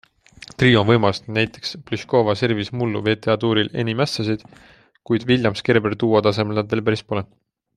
Trio on võimas ning näiteks Pliškova servis mullu WTA-tuuril enim ässasid, kuid Willams-Kerber duo tasemel nad veel päris pole.